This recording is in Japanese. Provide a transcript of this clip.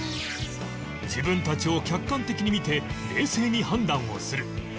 自分たちを客観的に見て冷静に判断をする